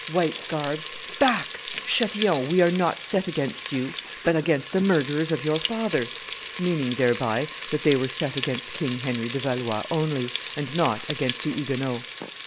white scarfs; back! Chatillon: we are not set against you, but against the murderers of your father!' meaning thereby that they were set against King Henry de Valois only, and not against the Huguenots.